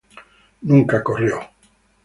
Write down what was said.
Nunca corrió.